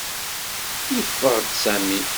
Yeffeɣ-d Sami.